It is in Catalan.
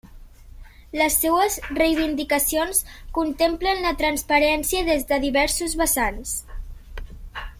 Les seues reivindicacions contemplen la transparència des de diversos vessants.